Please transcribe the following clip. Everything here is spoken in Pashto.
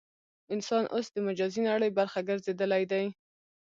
انسان اوس د مجازي نړۍ برخه ګرځېدلی دی.